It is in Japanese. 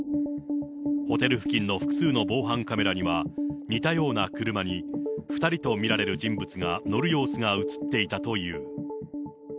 ホテル付近の複数の防犯カメラには、似たような車に２人と見られる人物が乗る様子が写っていたという。